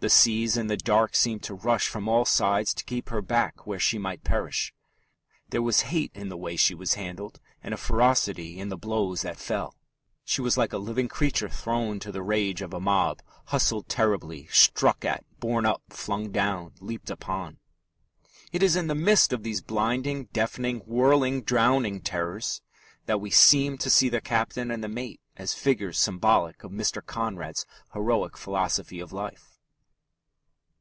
The seas in the dark seemed to rush from all sides to keep her back where she might perish. There was hate in the way she was handled, and a ferocity in the blows that fell. She was like a living creature thrown to the rage of a mob: hustled terribly, struck at, borne up, flung down, leaped upon. It is in the midst of these blinding, deafening, whirling, drowning terrors that we seem to see the captain and the mate as figures symbolic of Mr. Conrad's heroic philosophy of life.